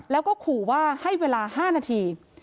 แล้วก็ขู่ว่าให้เวลา๕นาที